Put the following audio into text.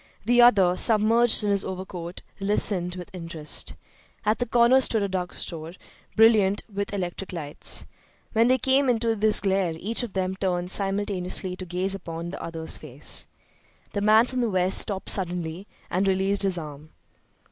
The other, submerged in his overcoat, listened with interest. At the corner stood a drug store, brilliant with electric lights. When they came into this glare each of them turned simultaneously to gaze upon the other's face. The man from the West stopped suddenly and released his arm.